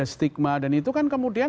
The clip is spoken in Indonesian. stigma dan itu kan kemudian